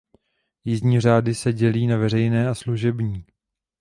Jízdní řády se dělí na veřejné a služební.